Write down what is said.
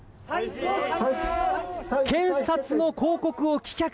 検察の抗告を棄却！